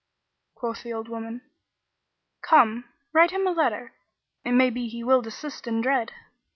Quoth the old woman, "Come, write him a letter; it may be he will desist in dread."